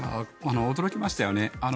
驚きましたよね。